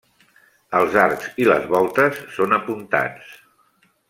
Els arcs i les voltes són apuntats.